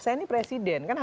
saya ini presiden